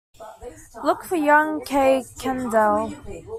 Look for young Kay Kendall.